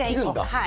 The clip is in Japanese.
はい。